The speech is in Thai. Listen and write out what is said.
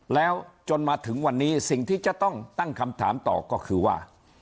แล้วจนมาถึงวันนี้สิ่งที่จะต้องตั้งคำถามต่อก็คือว่า